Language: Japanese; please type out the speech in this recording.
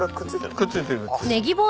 くっついてる。